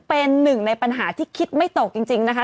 เป็นหนึ่งในปัญหาที่คิดไม่ตกจริงนะคะ